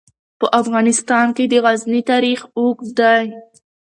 په افغانستان کې د غزني تاریخ اوږد دی.